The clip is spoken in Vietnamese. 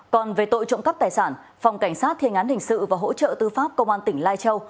còn về tội trộm cắp tài sản phòng cảnh sát thiên án hình sự và hỗ trợ tư pháp công an tỉnh lai châu